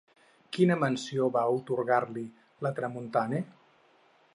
Quina menció va atorgar-li La Tramontane?